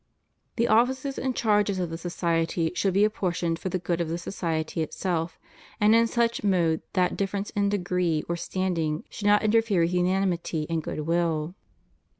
The offices and charges of the society should be apportioned for the good of the society itself, and in such mode that difference in degree or standing should not interfere with unanimity and good will.